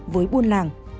với buôn làng